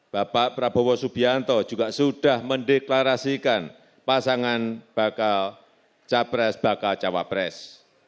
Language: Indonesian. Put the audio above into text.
bapak prabowo subianto juga sudah mendeklarasikan pasangan bakal capres bakal cawapres